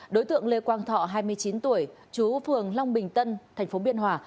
đối tượng lê quang thọ hai mươi chín tuổi chú phường long bình tân tp biên hòa